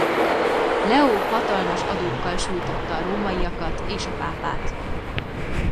Leó hatalmas adókkal sújtotta a rómaiakat és a pápát.